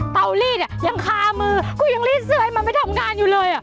ตามลีดอ่ะยังค่ามือกูยังลีดซื้อให้มันไปทำงานอยู่เลย